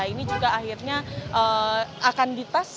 ini juga akhirnya akan dites